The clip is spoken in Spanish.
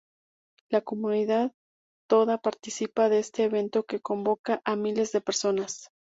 La comunidad toda participa de este evento que convoca a miles de personas.